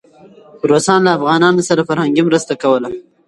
روسان له افغانانو سره فرهنګي مرسته کوله.